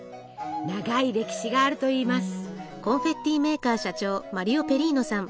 長い歴史があるといいます。